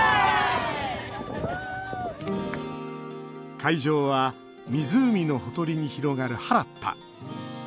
会場は湖のほとりに広がる原っぱ。